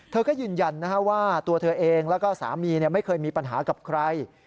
เธอก็ยืนยันว่าตัวเธอเองแล้วก็สามีไม่เคยมีปัญหากับใคร